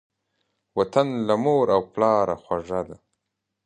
وطن له مور او پلاره خوږ دی.